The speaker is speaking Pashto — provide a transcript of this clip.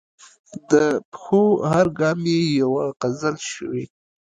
د پښو هر ګام یې یوه غزل شوې.